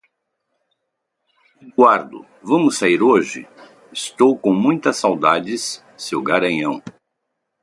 Eduardo, vamos sair hoje? Estou com muitas saudades seu garanhão.